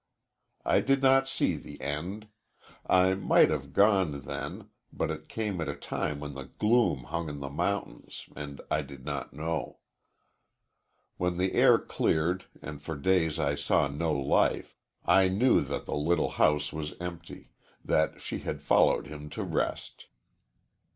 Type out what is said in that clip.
I did not see the end. I might have gone, then, but it came at a time when the gloom hung on the mountains and I did not know. When the air cleared and for days I saw no life, I knew that the little house was empty that she had followed him to rest.